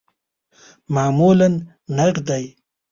معمولاً نغدی